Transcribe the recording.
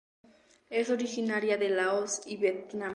Es originaria de Laos y Vietnam.